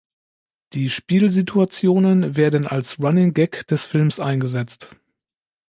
Die Spielsituationen werden als Running Gag des Films eingesetzt.